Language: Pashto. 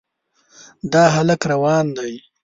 دا هلک روان دی.